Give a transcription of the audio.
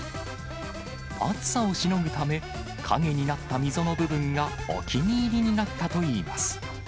暑さをしのぐため、陰になった溝の部分がお気に入りになったといいます。